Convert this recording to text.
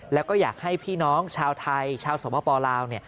แล้วก็อยากให้พี่น้องชาวไทยชาวสมปลาว